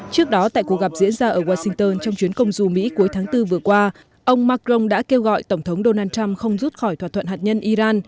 trước đó tại cuộc gặp diễn ra ở washington trong chuyến công du mỹ cuối tháng bốn vừa qua ông macron đã kêu gọi tổng thống donald trump không rút khỏi thỏa thuận hạt nhân iran